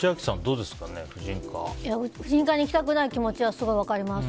婦人科に行きたくない気持ちはすごく分かります。